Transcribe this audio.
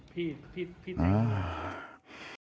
ผิดผิดผิด